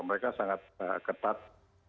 mereka sangat ketat